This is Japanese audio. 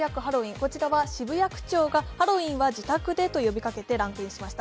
こちらは渋谷区長が、ハロウィーンは自宅でと呼びかけて話題となりました。